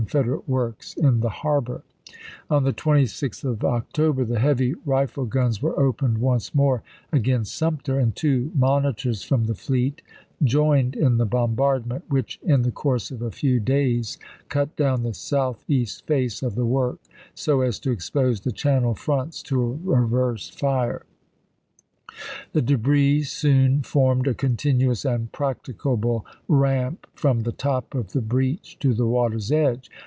federate works in the harbor. On the 26th of mt* wfk Vol October the heavy rifle guns were opened once xxvrii., more against Sumter, and two monitors from the p 30« ' fleet joined in the bombardment, which in the course of a few days cut down the southeast face of the work so as to expose the channel fronts to a reverse fire ; the debris soon formed a continuous and practicable ramp from the top of the breach to the water's edge.